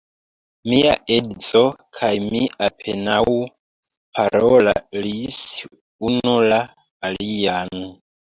Mia edzo kaj mi apenaŭ parolis unu la alian.